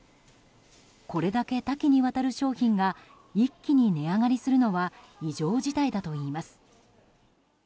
これだけ多岐にわたる商品が一気に値上がりするのは異常事態だといいます。